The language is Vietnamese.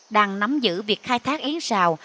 đang nắm giữ việc khai thác yến rào